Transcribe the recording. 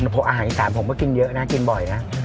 เพราะอาหารอีสานผมก็กินเยอะนะกินบ่อยนะ